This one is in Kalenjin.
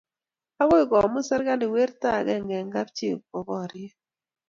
Agoi komut serikalit werto agenge eng' kapchii kowo boriet